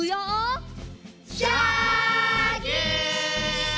シャキーン！